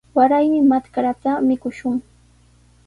Waraymi matrkata mikushun.